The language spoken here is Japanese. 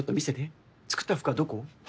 作った服はどこ？